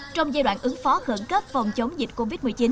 trong giai đoạn ứng phó khẩn cấp phòng chống dịch covid một mươi chín